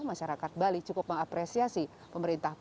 masyarakat bali cukup mengapresiasi